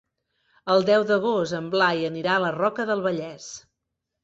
El deu d'agost en Blai anirà a la Roca del Vallès.